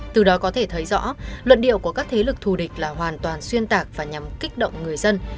từ đó có thể thấy rõ luận điệu của các thế lực thù địch là hoàn toàn xuyên tạc và nhằm kích động người dân